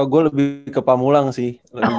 gue lebih ke pamulang sih